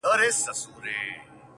ه زړه مي په سينه كي ساته.